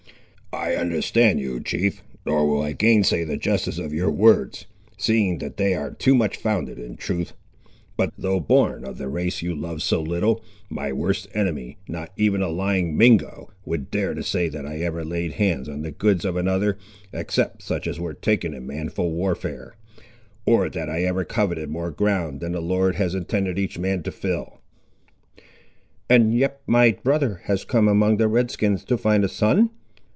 "I understand you, chief; nor will I gainsay the justice of your words, seeing that they are too much founded in truth. But though born of the race you love so little, my worst enemy, not even a lying Mingo, would dare to say that I ever laid hands on the goods of another, except such as were taken in manful warfare; or that I ever coveted more ground than the Lord has intended each man to fill." "And yet my brother has come among the Red skins to find a son?"